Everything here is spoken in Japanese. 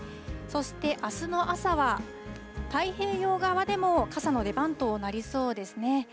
そしてあすの朝は、太平洋側でも傘の出番となりそうですね。